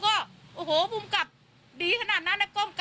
ถ้าดีจริง